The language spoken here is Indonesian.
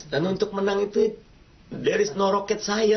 dan untuk menang itu dari snowrocket saya